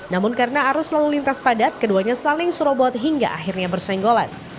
namun karena arus lalu lintas padat keduanya saling serobot hingga akhirnya bersenggolan